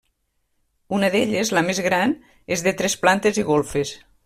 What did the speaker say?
Una d’elles, la més gran, és de tres plantes i golfes.